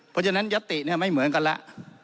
เพราะฉะนั้นยัตติไม่เหมือนกันแล้ว